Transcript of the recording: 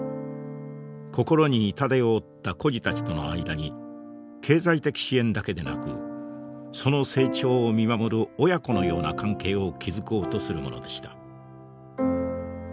心に痛手を負った孤児たちとの間に経済的支援だけでなくその成長を見守る親子のような関係を築こうとするものでした。